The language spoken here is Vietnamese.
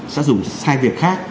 sẽ dùng sai việc khác